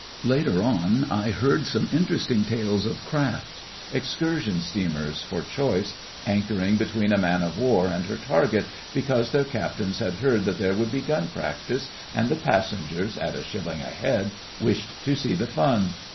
Later on I heard some interesting tales of craft—excursion steamers for choice—anchoring between a man of war and her target because their captains had heard that there would be gun practice, and the passengers, at a shilling a head, wished to see the fun.